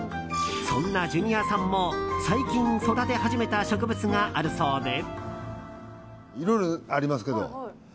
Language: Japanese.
そんなジュニアさんも最近育て始めた植物があるそうで。